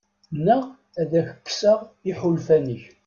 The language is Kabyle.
Neɣ ad ak-kkseɣ iḥulfan-ik.